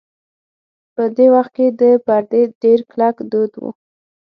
په دې وخت کې د پردې ډېر کلک دود و.